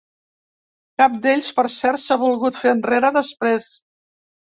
Cap d’ells, per cert, s’ha volgut fer enrere després.